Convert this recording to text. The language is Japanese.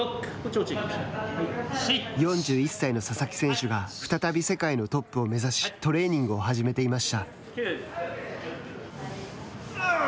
４１歳の佐々木選手が再び世界のトップを目指しトレーニングを始めていました。